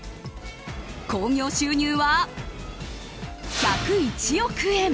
興行収入は１０１億円。